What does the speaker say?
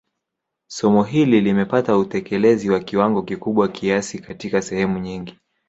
Somo hili limepata utekelezi wa kiwango kikubwa kiasi katika sehemu nyingi